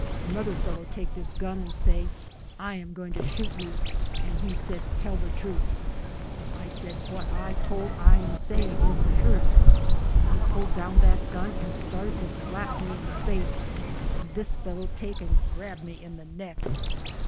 Another fellow take this gun and say, I am going to shoot you, and he said, tell the truth, and I said, what I told I am saying is the truth, and he pulled down that gun and started to slap me in the face and this fellow take [and] grab me in the neck."